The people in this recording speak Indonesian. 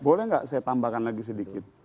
boleh nggak saya tambahkan lagi sedikit